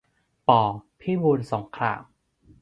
ป. พิบูลสงคราม